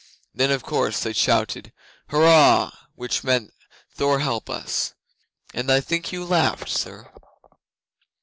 Then of course they shouted "Hurrah!" which meant "Thor help us!" and I think you laughed, sir?